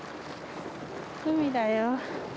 海だよ